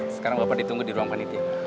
sekarang bapak ditunggu di ruang panitia